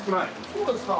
そうですか。